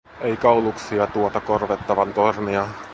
Ei kauluksia, tuota korvettavan tornia.